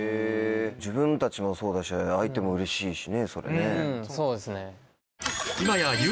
自分たちもそうだし相手もうれしいしねそれね。